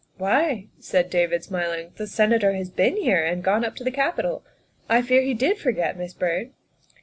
" Why," said David, smiling, " the Senator has been here and gone up to the Capitol. I fear he did forget, Miss Byrd."